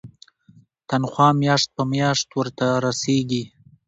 تنخوا میاشت په میاشت ورته رسیږي.